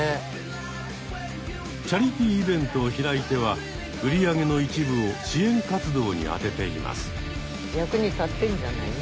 チャリティーイベントを開いては売り上げの一部を支援活動に充てています。